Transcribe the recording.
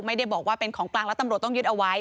ไม่ได้บอกว่าเป็นของกลางแล้วตำรวจต้องยึดเอาไว้